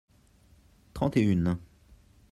trente et une.